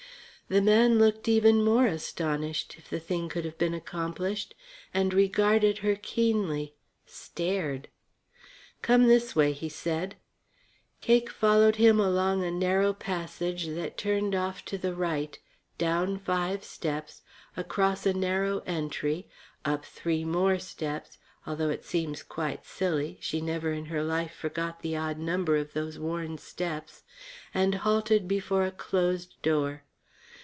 The man looked even more astonished, if the thing could have been accomplished, and regarded her keenly stared. "Come this way," he said. Cake followed him along a narrow passage that turned off to the right, down five steps, across a narrow entry, up three more steps although it seems quite silly, she never in her life forgot the odd number of those worn steps and halted before a closed door.